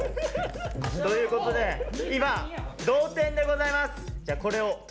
ということで今同点でございます。